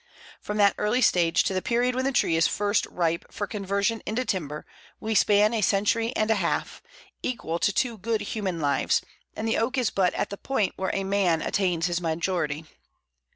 From that early stage to the period when the tree is first ripe for conversion into timber we span a century and a half, equal to two good human lives, and the Oak is but at the point where a man attains his majority.